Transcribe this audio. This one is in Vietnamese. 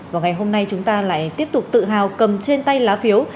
và ngày hôm nay chúng ta lại tiếp tục tự hào cầm trên tay lá phiếu